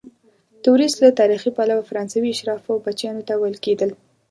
توریست له تاریخي پلوه فرانسوي اشرافو بچیانو ته ویل کیدل.